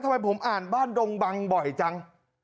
ทำไมผมอ่านบ้านดงบังบ่อยจัง